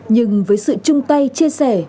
nhưng với sự chung tay chia sẻ